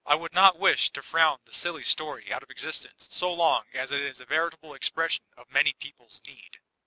I would not wish to frown the silly story out of existence so long as it is a veritable expression of many people's need.